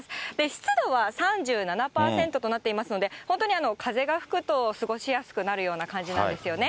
湿度は３７％となっていますので、本当に風が吹くと過ごしやすくなるような感じなんですよね。